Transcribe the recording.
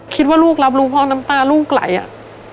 คิดว่าลูกรับรู้เพราะน้ำตาลูกไหลอ่ะ